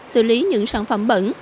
xử lý những sản phẩm bẩn